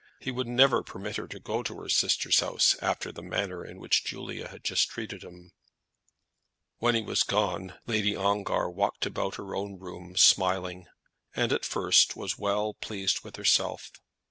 He would never permit her to go to her sister's house after the manner in which Julia had just treated him! When he was gone Lady Ongar walked about her own room smiling, and at first was well pleased with herself.